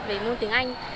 về môn tiếng anh